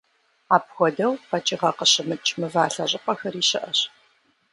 Апхуэдэу къэкӏыгъэ къыщымыкӏ мывалъэ щӏыпӏэхэри щыӏэщ.